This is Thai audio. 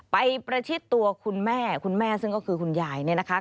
ประชิดตัวคุณแม่คุณแม่ซึ่งก็คือคุณยายเนี่ยนะคะ